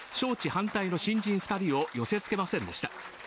反対の新人２人を寄せつけませんでした。